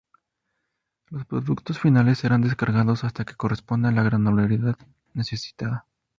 Los productos finales serán descargados hasta que corresponden la granularidad necesitada.